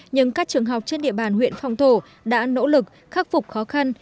nhưng các trường học trên địa bàn huyện phong thổ đã nỗ lực khắc phục khó khăn